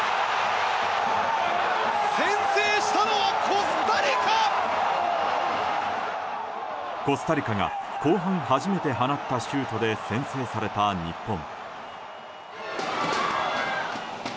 コスタリカが後半初めて放ったシュートで先制された日本。